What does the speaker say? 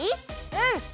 うん。